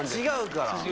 違うから。